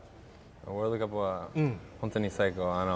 ワールドカップは本当に最高。